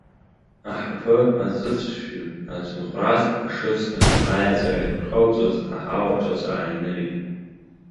Аҳаԥы аҵәыҵәфҩы ацынхәрас ашыцра, аиаҵәара ирхылҵуаз аҳауа ҿаца ааинырит.